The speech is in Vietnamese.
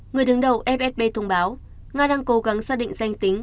người đứng đầu fsb thông báo nga đang cố gắng xác định danh tính